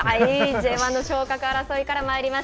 Ｊ１の昇格争いからまいります。